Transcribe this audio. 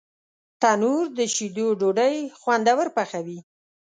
تنور د شیدو ډوډۍ خوندور پخوي